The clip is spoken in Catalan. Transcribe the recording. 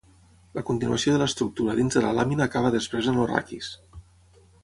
La continuació de l'estructura dins de la làmina acaba després en el raquis.